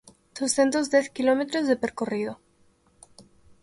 Douscentos dez quilómetros de percorrido.